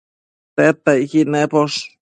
Tedtacquid naposh